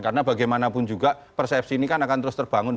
karena bagaimanapun juga persepsi ini akan terus terbangun